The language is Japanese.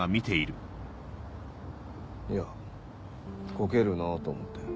いやコケるなぁと思って。